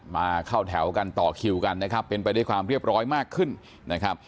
มาเข้าแถวกันต่อคิวกันนะครับเป็นไปด้วยความเรียบร้อยมากขึ้นนะครับ